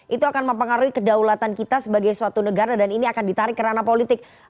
itu akan mempengaruhi kedaulatan kita sebagai suatu negara dan ini akan ditarik ke ranah politik